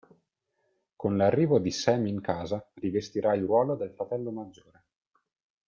Con l'arrivo di Sam in casa, rivestirà il ruolo del fratello maggiore.